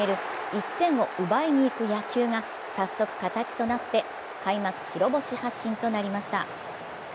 １点を奪いにいく野球が早速、形となって開幕白星発進となりました。